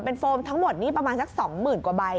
เป็นโฟมทั้งหมดนี้ประมาณสัก๒๐๐๐กว่าใบ